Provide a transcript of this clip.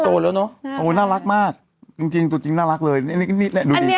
โอ้โหน่ารักมากจริงจริงจริงจริงน่ารักเลยนี่นี่นี่นี่นี่นี่นี่